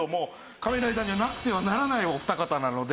『仮面ライダー』にはなくてはならないお二方なので。